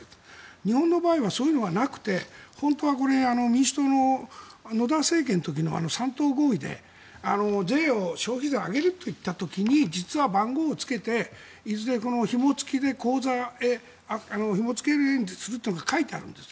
日本の場合はそういうのがなくて本当は民主党の野田政権の時の３党合意で消費税を上げるといった時に実は、番号をつけていずれ、ひも付きで口座へひも付けすると書いてあるんです。